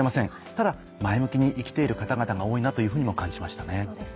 ただ前向きに生きている方々が多いなというふうにも感じましたね。